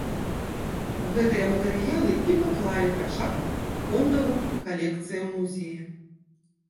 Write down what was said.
Гэтыя матэрыялы і паклалі пачатак фондавым калекцыям музея.